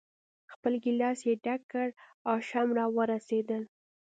خپل ګیلاس یې ډک کړ، آش هم را ورسېدل.